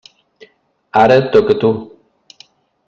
Ara et toca a tu.